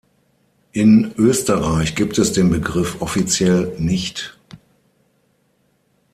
In Österreich gibt es den Begriff offiziell nicht.